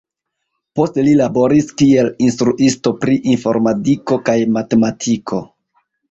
Poste li laboris kiel instruisto pri informadiko kaj matematiko.